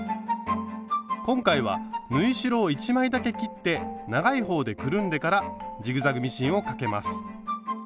今回は縫い代を１枚だけ切って長い方でくるんでからジグザグミシンをかけます。